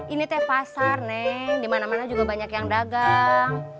ini teh pasar neng dimana mana juga banyak yang dagang